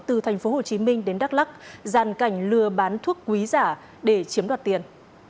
từ tp hcm đến đắk lắc gian cảnh lừa bán thuốc quý giả để chiếm đoạt tiền